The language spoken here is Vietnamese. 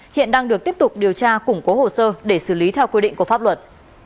hiện đang được tiếp tục điều tra củng cố hồ sơ để xử lý theo quy định của pháp luật